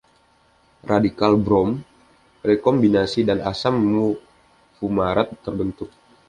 Radikal brom, rekombinasi dan asam fumarat terbentuk.